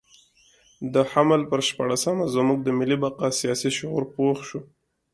د حمل پر شپاړلسمه زموږ د ملي بقا سیاسي شعور پوخ شو.